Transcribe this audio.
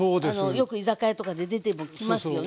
よく居酒屋とかで出てきますよね。